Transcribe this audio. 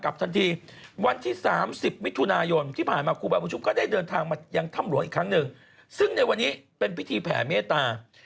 ไปตีเลขปรากฏว่าถูกนะฮะ